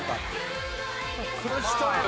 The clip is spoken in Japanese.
「苦しそうやな」